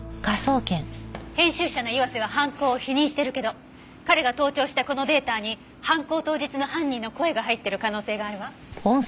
編集者の岩瀬は犯行を否認しているけど彼が盗聴したこのデータに犯行当日の犯人の声が入っている可能性があるわ。